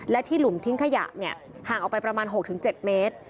และที่หลุมทิ้งขยะห่างออกไปประมาณ๖๗เมตร